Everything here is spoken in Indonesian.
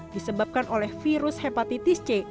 disebabkan oleh virus hepatitis c